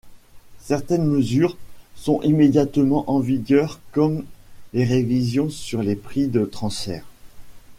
Certaines mesures sont immédiatement en vigueur, comme les révisions sur les prix de transfert.